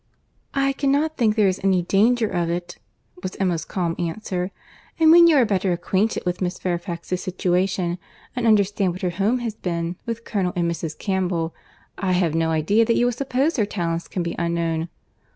"I cannot think there is any danger of it," was Emma's calm answer—"and when you are better acquainted with Miss Fairfax's situation and understand what her home has been, with Colonel and Mrs. Campbell, I have no idea that you will suppose her talents can be unknown."